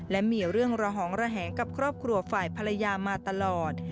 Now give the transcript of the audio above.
และมีเรื่องระหองระแหงกับครอบครัวฝ่ายภรรยามาตลอด